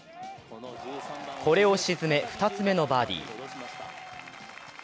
これを沈め、２つ目のバーディー。